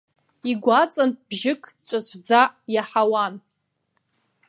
Игәаҵантә бжьык ҵәыҵәӡа иаҳауан.